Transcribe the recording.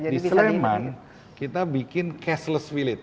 di sleman kita bikin cashless village